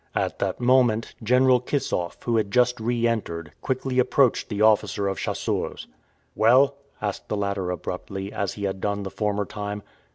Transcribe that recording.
At that moment. General Kissoff, who had just re entered, quickly approached the officer of chasseurs. "Well?" asked the latter abruptly, as he had done the former time.